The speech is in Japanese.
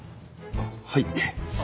はい。